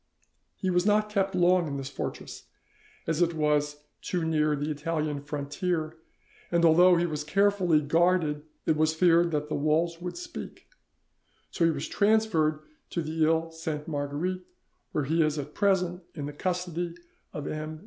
He was not kept long in this fortress, as it was 'too near the Italian frontier, and although he was carefully guarded it was feared that the walls would speak'; so he was transferred to the Iles Sainte Marguerite, where he is at present in the custody of M.